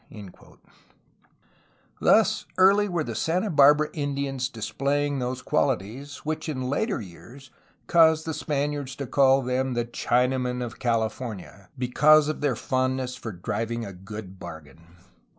'* Thus early were the Santa Barbara Indians displaying those qualities which in later years caused the Spaniards to call them ^'the Chinamen of California,'^ because of their fond ness for driving a good bargain.